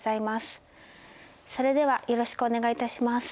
それではよろしくお願いいたします。